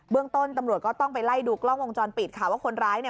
เรื่องต้นตำรวจก็ต้องไปไล่ดูกล้องวงจรปิดค่ะว่าคนร้ายเนี่ย